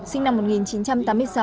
sinh năm một nghìn chín trăm tám mươi sáu